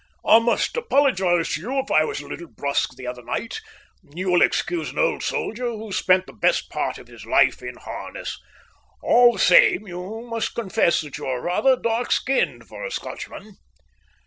"I must apologise to you if I was a little brusque the other night you will excuse an old soldier who has spent the best part of his life in harness All the same, you must confess that you are rather dark skinned for a Scotchman."